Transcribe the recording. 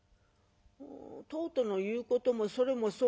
「とうとの言うこともそれもそうやな。